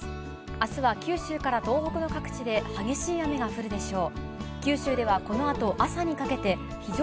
あすは九州から東北の各地で激しい雨が降るでしょう。